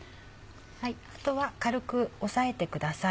あとは軽く押さえてください。